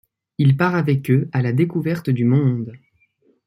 Il part avec eux à la découverte du monde.